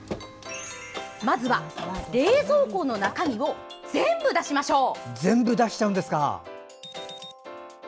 まずは冷蔵庫の中身を全部出しましょう。